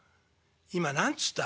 「今何つった？」。